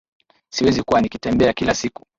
Siwezi kuwa nikitembea kila siku